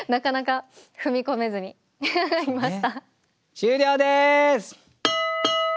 終了です！